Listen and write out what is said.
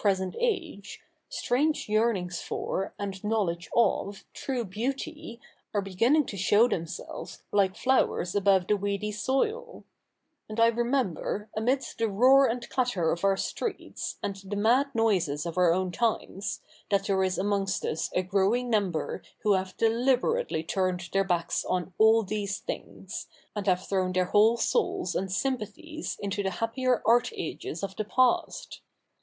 i] THE NEW REPUBLIC i8 age, strange yearnings for, and knowledge of, true beauty aie beginning to show themselves like flowers above the weedy soil ; and I remember, amidst the roar and clatter of our streets, and the mad noises of our own times, that there is amongst us a growing number who have deliberately turned their backs on all these things, and have thrown their whole souls and sympathies into the happier art ages of the past.